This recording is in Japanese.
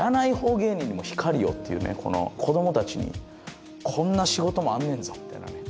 芸人にも光をっていうねこの子供達にこんな仕事もあんねんぞみたいなね